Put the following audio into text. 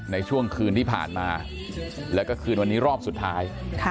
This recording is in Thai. ในช่วงคืนที่ผ่านมาแล้วก็คืนวันนี้รอบสุดท้าย